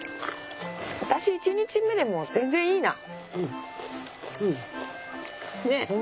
私１日目でも全然いいな！ね！